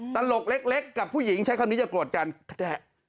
ตลกเล็กกับผู้หญิงใช้คำนี้จะโกรธกันก็ได้